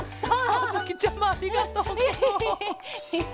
あづきちゃまありがとうケロ。